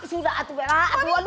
sudah atuh bella